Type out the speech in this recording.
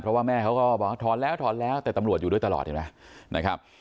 เพราะว่าแม่เขาก็บอกถอนแล้วถอนแล้วแต่ตำรวจอยู่ด้วยตลอดเห็นไหมนะครับ